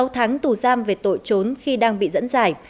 sáu tháng tù giam về tội trốn khi đang bị dẫn giải